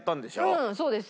うんそうです。